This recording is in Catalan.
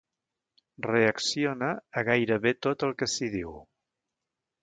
Reacciona a gairebé tot el que s'hi diu.